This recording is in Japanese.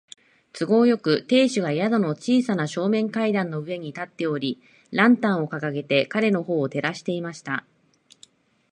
都合よく、亭主が宿の小さな正面階段の上に立っており、ランタンをかかげて彼のほうを照らしていた。